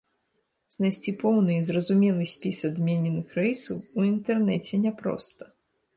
Знайсці поўны і зразумелы спіс адмененых рэйсаў у інтэрнэце няпроста.